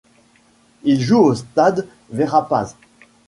Il joue au stade Verapaz.